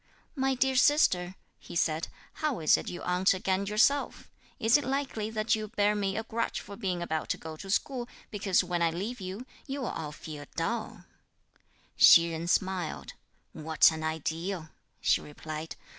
"My dear sister," he said, "how is it you aren't again yourself? Is it likely that you bear me a grudge for being about to go to school, because when I leave you, you'll all feel dull?" Hsi Jen smiled. "What an ideal" she replied.